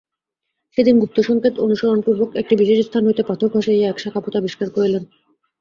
সেদিন গুপ্তসংকেত অনুসরণপূর্বক একটি বিশেষ স্থান হইতে পাথর খসাইয়া এক শাখাপথ আবিষ্কার করিলেন।